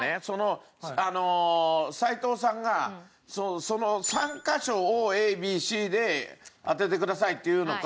齋藤さんが３カ所をＡＢＣで当ててくださいっていうのか